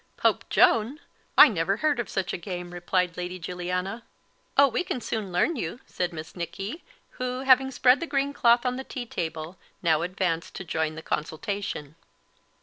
"Pope Joan! I never heard of such a game," replied Lady Juliana. "Oh, we can soon learn you," said Miss Nicky, who having spread the green cloth on the tea table, now advanced to join the consultation.